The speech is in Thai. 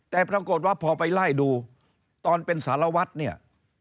แต่ปรากฏว่าพอไปไล่ดูตอนเป็นสารวัตรเนี่ย